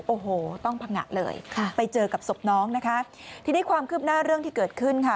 โอ้โหต้องพังงะเลยค่ะไปเจอกับศพน้องนะคะทีนี้ความคืบหน้าเรื่องที่เกิดขึ้นค่ะ